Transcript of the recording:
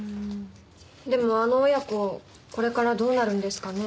でもあの親子これからどうなるんですかね？